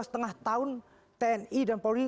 dua lima tahun tni dan polri